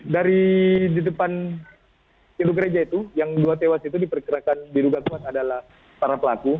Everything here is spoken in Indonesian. dari di depan pintu gereja itu yang dua tewas itu diperkirakan diduga kuat adalah para pelaku